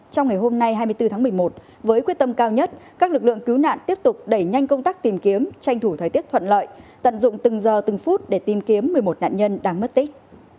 trong ngày hôm nay hai mươi bốn tháng một mươi một với quyết tâm cao nhất các lực lượng cứu nạn tiếp tục đẩy nhanh công tác tìm kiếm tranh thủ thời tiết thuận lợi tận dụng từng giờ từng phút để tìm kiếm một mươi một nạn nhân đang mất tích